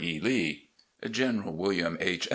E. Lee. "General William H.